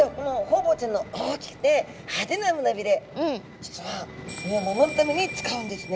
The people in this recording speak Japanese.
実は身を守るために使うんですね。